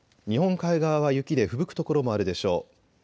日本海側は雪でふぶくところもあるでしょう。